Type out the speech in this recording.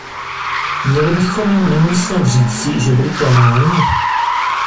Měli bychom jim nyní snad říci, že byli klamáni?